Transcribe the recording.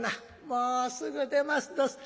「もうすぐ出ますどす。